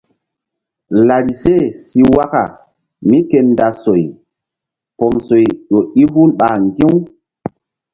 Larise si waka mí ke nda soy pom soy ƴo i hul ɓa ŋgi̧-u.